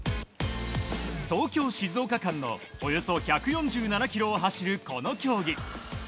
東京静岡間のおよそ１４７ｋｍを走るこの競技。